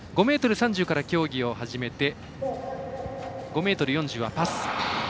５ｍ３０から競技を始めて５ｍ４０はパス。